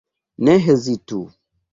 Ne hezitu.